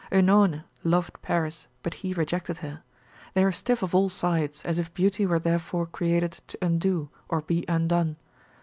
Oenone loved Paris, but he rejected her: they are stiff of all sides, as if beauty were therefore created to undo, or be undone.